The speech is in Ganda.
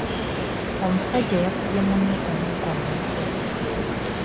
Omusajja yakubye munne omuggo mu mutwe.